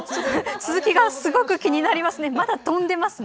続きが気になりますね